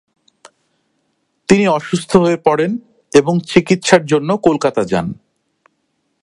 তিনি অসুস্থ হয়ে পড়েন এবং চিকিৎসার জন্য কলকাতা যান।